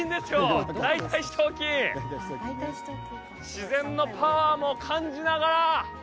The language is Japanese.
自然のパワーも感じながら